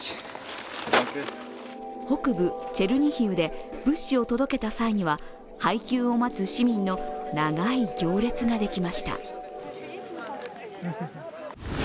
北部チェルニヒウで物資を届けた際には配給を待つ市民の長い行列ができました。